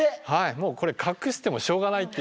もうこれ隠してもしょうがないっていう。